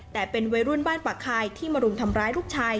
แต่เป็นวัยรุ่นบ้านปากคายที่มารุมทำร้ายลูกชาย